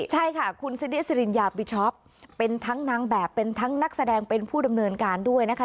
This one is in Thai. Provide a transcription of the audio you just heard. ใช่ค่ะคุณซิริสิริญญาบิช็อปเป็นทั้งนางแบบเป็นทั้งนักแสดงเป็นผู้ดำเนินการด้วยนะคะ